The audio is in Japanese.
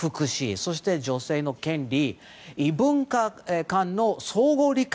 そして、女性の権利異文化間の相互理解。